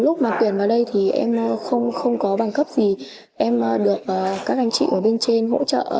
lúc mà quyền vào đây thì em không có bằng cấp gì em được các anh chị ở bên trên hỗ trợ